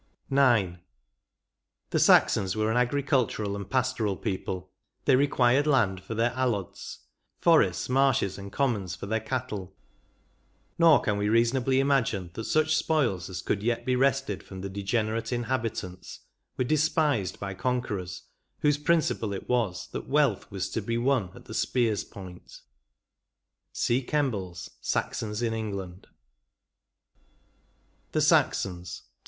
18 IX. " The Saxons were an agricultural and pastoral people ; they required land for their alods — forests, marshes, and commons for their cattle. ... Nor can we reasonably imagine that such spoils as could yet be wrested from the degenerate inhabit ants were despised by conquerors whose principle it was that wealth was to be won at the spear's point." — See Kembles " Saxons in England" 19 IX. THE SAXONS.